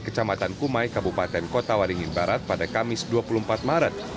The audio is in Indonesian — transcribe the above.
kecamatan kumai kabupaten kota waringin barat pada kamis dua puluh empat maret